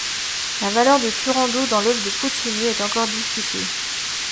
La valeur de Turandot dans l'œuvre de Puccini est encore discutée.